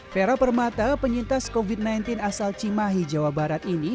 vera permata penyintas covid sembilan belas asal cimahi jawa barat ini